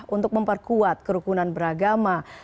untuk memperkuat kerukunan beragama